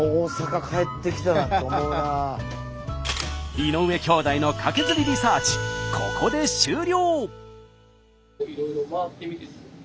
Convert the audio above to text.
井上兄弟のカケズリリサーチここで終了。